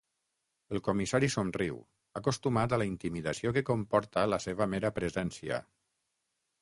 El comissari somriu, acostumat a la intimidació que comporta la seva mera presència.